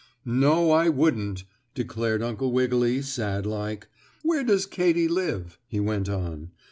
"No, I wouldn't," declared Uncle Wiggily sad like. "Where does Katy live?" he went on.